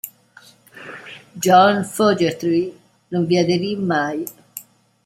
John Fogerty non vi aderì mai.